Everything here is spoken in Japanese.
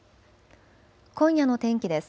今夜の天気です。